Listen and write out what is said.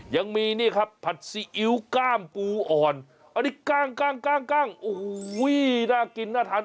ยังมีนี่ครับผัดซีอิ๊วก้ามปูอ่อนอันนี้กล้างโอ้โหน่ากินน่าทาน